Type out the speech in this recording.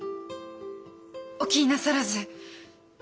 お気になさらず。